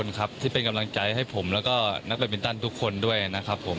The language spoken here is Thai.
อันนี้ก็เป็นนิดสุดที่เป็นกำลังใจให้ผมและก็นักษเดิมินตันท์ทุกคนด้วยนะครับครับผม